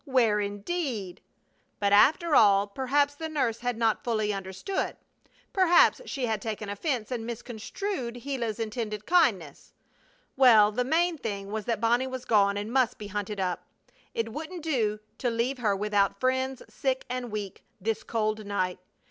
Where indeed? But, after all, perhaps the nurse had not understood fully. Perhaps she had taken offense and misconstrued Gila's intended kindness! Well, the main thing was that Bonnie was gone and must be hunted up. It wouldn't do to leave her without friends, sick and weak, this cold night.